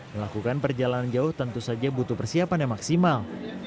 melakukan perjalanan jauh tentu saja butuh persiapan yang maksimal